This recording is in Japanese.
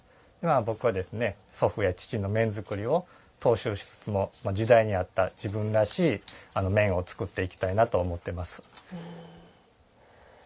僕は祖父や父の面作りを踏襲しつつも時代に合った自分らしい面を作っていきたいなと思っています。